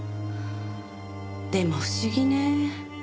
でも不思議ね。